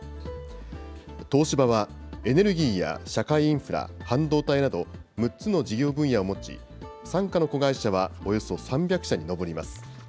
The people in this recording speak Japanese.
東芝は、エネルギーや社会インフラ、半導体など、６つの事業分野を持ち、傘下の子会社はおよそ３００社に上ります。